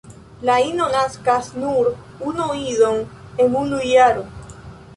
La ino naskas nur unu idon en unu jaro.